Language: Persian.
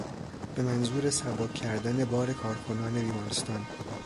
به منظور سبک کردن بار کارکنان بیمارستان